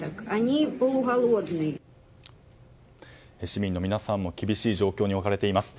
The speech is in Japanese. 市民の皆さんも厳しい状況に置かれています。